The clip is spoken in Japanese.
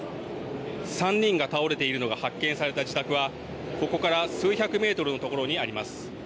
３人が倒れているのが発見された自宅はここから数百メートルの所にあります。